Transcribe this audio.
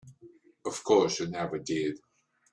Of course you never did.